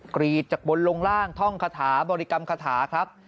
กรีดจากบนลงล่างท่องคาถาบริกรรมคาถาครับ